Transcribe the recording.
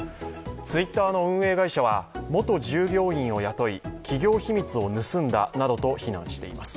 Ｔｗｉｔｔｅｒの運営会社は元従業員を雇い、企業秘密を盗んだなどと非難しています。